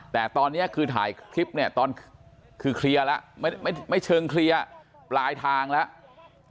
แต่ตอนนี้คือถ่ายคลิปเนี่ยตอนคือเคลียร์แล้วไม่เชิงเคลียร์ปลายทางแล้ว